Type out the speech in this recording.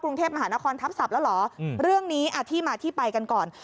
กรุงเทพมหานครทับศัพท์แล้วเหรอเรื่องนี้ที่มาที่ไปกันก่อน